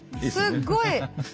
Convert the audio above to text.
すごい。